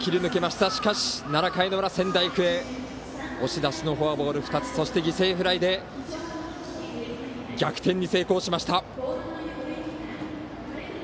しかし、７回裏、仙台育英押し出しのフォアボール２つそして、犠牲フライで逆転に成功しました。